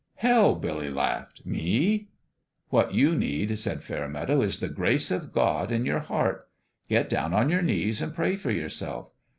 " Hell 1 " Billy laughed. " Me ?"" What you need," said Fairmeadow, " is the grace of God in your heart. Get down on your knees and pray for yourself.